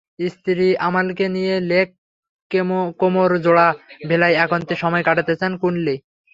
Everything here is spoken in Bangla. স্ত্রী আমালকে নিয়ে লেক কোমোর জোড়া ভিলায় একান্তে সময় কাটাতে চান ক্লুনি।